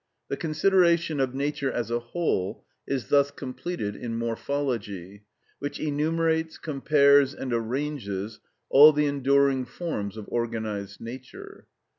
The consideration of nature as a whole is thus completed in morphology, which enumerates, compares, and arranges all the enduring forms of organised nature.